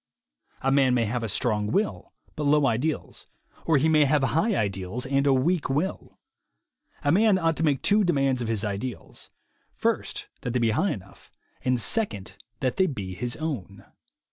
A man may have a strong will but low ideals, or he may have high ideals and a weak will. A man ought to make two demands of his ideals : first that they be high enough, and second that they be his own.